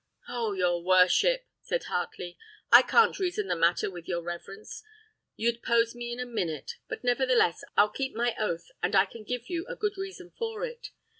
"Oh! your worship," said Heartley, "I can't reason the matter with your reverence, you'd pose me in a minute; but, nevertheless, I'll keep my oath, and I can give you a good reason for it.